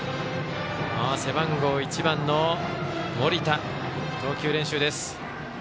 背番号１番の盛田投球練習です。